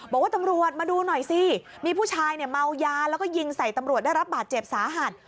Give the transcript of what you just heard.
บอกว่าตำรวจมาดูหน่อยสิมีผู้ชายเนี่ยเมายาแล้วก็ยิงใส่ตำรวจได้รับบาดเจ็บสาหัส